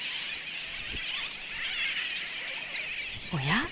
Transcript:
おや？